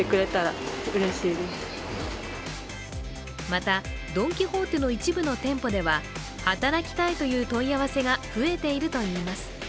またドン・キホーテの一部の店舗では働きたいという問い合わせが増えているといいます。